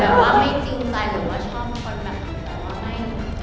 แต่แบบว่าไม่จริงใจหรือชอบคนแบบตั้งแต่ว่าไม่